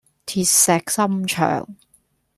鐵石心腸